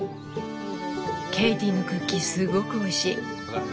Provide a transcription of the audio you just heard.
ケイティのクッキーすごくおいしい。